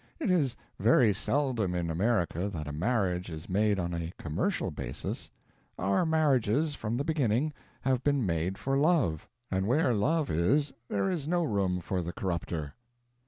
It is very seldom in America that a marriage is made on a commercial basis; our marriages, from the beginning, have been made for love; and where love is there is no room for the corruptor."